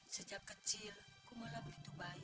sejak kecil kumalah begitu banyak